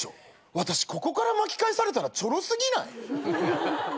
私ここから巻き返されたらチョロ過ぎない？